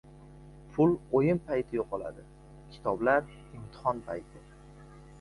• Pul o‘yin payti yo‘qoladi, kitoblar — imtihon payti.